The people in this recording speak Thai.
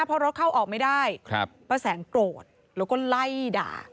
พอรถเข้าออกไม่ได้ป้าแสงโกรธแล้วก็ไล่ด่า